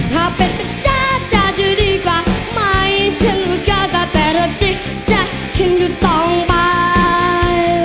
ถ้าเป็นเจ้าจะดีกว่าไม่ฉันก็จะแต่ถ้าจี้จ้ะฉันก็ต้องไป